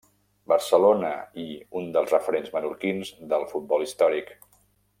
Barcelona i un dels referents Menorquins del Futbol històric.